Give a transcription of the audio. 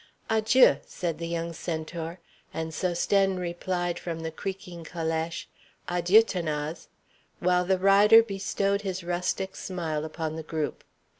"Adjieu," said the young centaur; and Sosthène replied from the creaking calèche, "Adjieu, 'Thanase," while the rider bestowed his rustic smile upon the group.